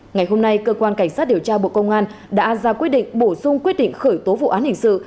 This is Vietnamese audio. ngày hôm nay cơ quan cảnh sát điều tra bộ công an đã ra quyết định bổ sung quyết định khởi tố vụ án hình sự